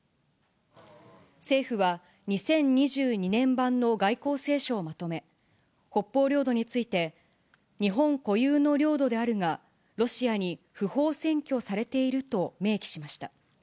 政府は、２０２２年版の外交青書をまとめ、北方領土について、日本固有の領土であるが、ロシアに不法占拠されていると明記しました。